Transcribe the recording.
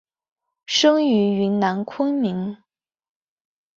生于云南昆明。